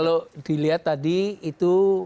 kalau dilihat tadi itu